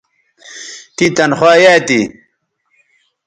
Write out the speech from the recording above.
تیں تنخوا یایئ تھی